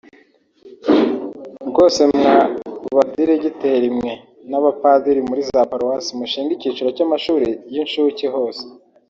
rwose mwa badiregiteri mwe n’abapadiri muri za Paruwasi mushinge icyiciro cy’amashuri y’incuke hose